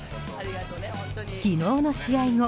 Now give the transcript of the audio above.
昨日の試合後